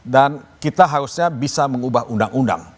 dan kita harusnya bisa mengubah undang undang